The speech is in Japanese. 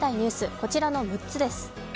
こちらの６つです。